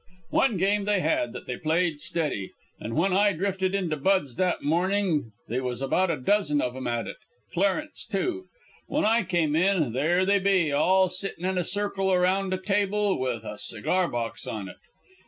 One game they had that they played steady, an' when I drifted into Bud's that morning they was about a dozen of 'em at it Clarence, too. When I came in, there they be, all sittin' in a circle round a table with a cigar box on it.